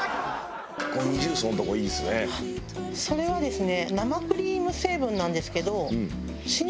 それはですね。